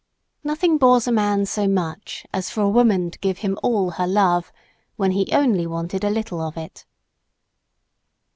Nothing bores a man so much as for a woman to give him all her love when he wanted only a little of it.